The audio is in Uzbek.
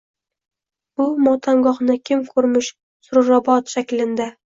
Bu motamgohni kim koʻrmish sururobod shaklinda.